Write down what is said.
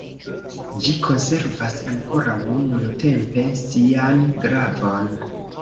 Ĝi konservas ankoraŭ, nuntempe, sian gravon.